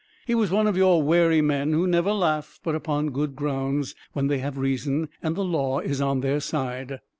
He was one of your wary men, who never laugh but upon good grounds when they have reason and the law on their side.